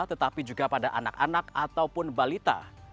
tetapi juga pada anak anak ataupun balita